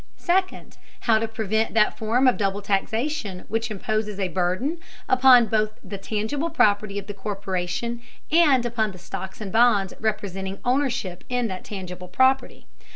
Second, how to prevent that form of double taxation which imposes a burden both upon the tangible property of the corporation and upon the stocks and bonds representing ownership in that tangible property.